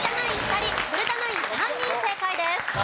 ２人古田ナイン３人正解です。